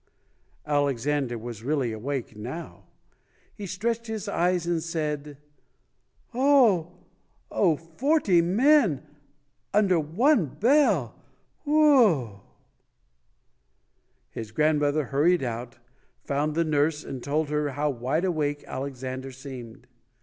Alexander was really awake now. He stretched ALEXANDER SERGYEYEVICH PUSHKIN [ 109 his eyes and said, "Oh Oh, forty men under one bell, whew!" His grandmother hurried out, found the nurse and told her how wide awake Alexander seemed.